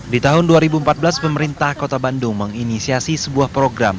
di tahun dua ribu empat belas pemerintah kota bandung menginisiasi sebuah program